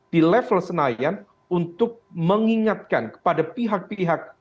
di level senayan untuk mengingatkan kepada pihak pihak